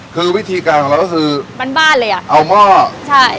คือวิธีการของเราก็คือบ้านบ้านเลยอ่ะเอาหม้อใช่